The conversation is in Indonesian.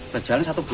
berjalan satu gigi